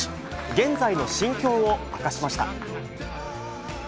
現在の心境を明かしました。